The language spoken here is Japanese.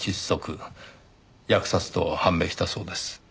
扼殺と判明したそうです。